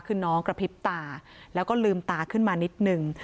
คือน้องกระพริบตาแล้วก็ลืมตาขึ้นมานิดนึง